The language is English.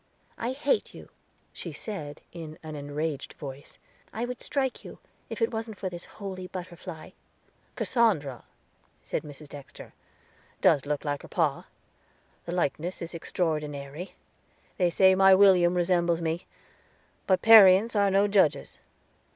"I hate you," she said, in an enraged voice. "I would strike you, if it wasn't for this holy butterfly." "Cassandra," said Mrs. Dexter, "does look like her pa; the likeness is ex tri ordinary. They say my William resembles me; but parients are no judges."